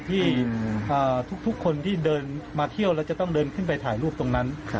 ที่ทุกคนที่เดินมาเที่ยวแล้วจะต้องเดินขึ้นไปถ่ายรูปตรงนั้น